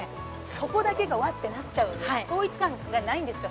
そこだけが和ってなっちゃうんで統一感がないんですよ